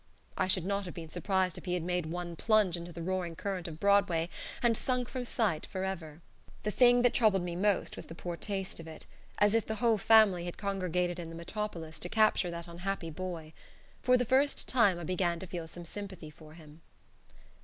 I should not have been surprised if he had made one plunge into the roaring current of Broadway and sunk from sight forever. The thing that troubled me most was the poor taste of it: as if the whole family had congregated in the metropolis to capture that unhappy boy. For the first time I began to feel some sympathy for him.